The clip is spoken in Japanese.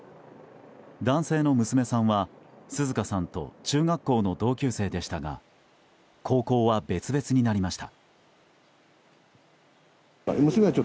男性の娘さんは、紗花さんと中学校の同級生でしたが高校は別々になりました。